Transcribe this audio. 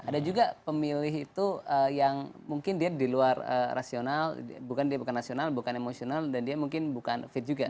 ada juga pemilih itu yang mungkin dia di luar rasional bukan dia bukan nasional bukan emosional dan dia mungkin bukan fit juga